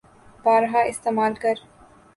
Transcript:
بارہا استعمال کر